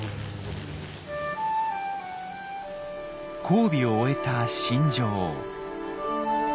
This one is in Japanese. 交尾を終えた新女王。